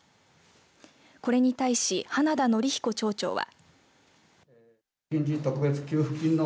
これに対し、花田憲彦町長は。